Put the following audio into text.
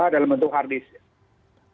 dalam bentuk hard disk